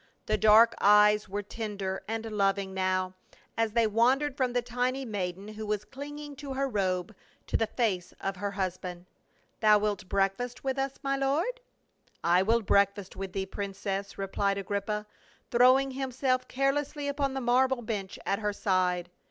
The dark eyes were tender and loving now, as they wandered from the tiny maiden who was clinging to her robe, to the face of her husband. "Thou wilt breakfast with us, my lord?" "I will breakfast with thee, princess," replied Agrippa, throwing himself carelessly upon the marble bench at her side.